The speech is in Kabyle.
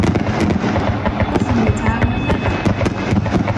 Ur ten-nettɛawan ara.